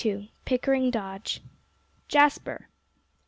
XXII PICKERING DODGE "Jasper!"